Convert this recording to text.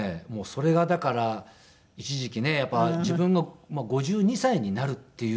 それがだから一時期ねやっぱり自分が５２歳になるっていうのが。